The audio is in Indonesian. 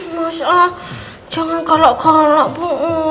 mas al jangan kalak kalak bu